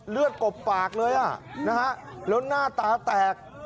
เลือดกบปากเลยอ่ะนะฮะแล้วหน้าตาแตก